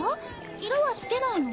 いろはつけないの？